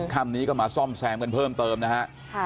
คำนี้ก็มาซ่อมแซมกันเพิ่มเติมนะฮะ